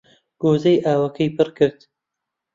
گۆزەی ئاوەکەی پڕ کرد